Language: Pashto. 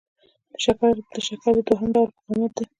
د شکرې دوهم ډول مقاومت دی.